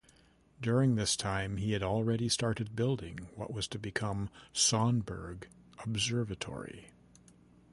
During this time he had already started building what was to become Sonneberg Observatory.